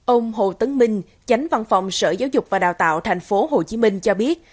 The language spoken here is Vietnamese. ông hồ tấn minh chánh văn phòng sở giáo dục và đào tạo tp hcm cho biết